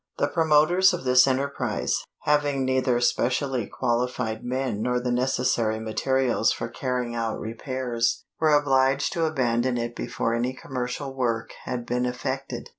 The promoters of this enterprise, having neither specially qualified men nor the necessary materials for carrying out repairs, were obliged to abandon it before any commercial work had been effected.